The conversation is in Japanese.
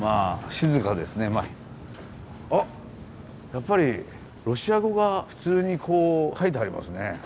やっぱりロシア語が普通にこう書いてありますね。